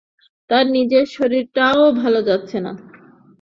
তাঁর নিজের শরীরটাও ভালো যাচ্ছে না।